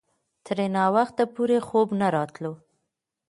ترې ناوخته پورې خوب نه راتلو.